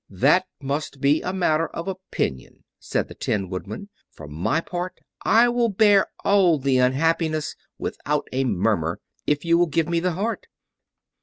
"That must be a matter of opinion," said the Tin Woodman. "For my part, I will bear all the unhappiness without a murmur, if you will give me the heart."